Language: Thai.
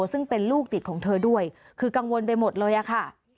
ซึ่งเป็นลูกติดของเธอด้วยคือกังวลไปหมดเลยอะค่ะ